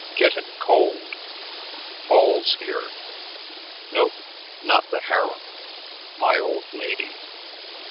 "Gettin' cold. Fall's here. Nope, not the harem. My old lady."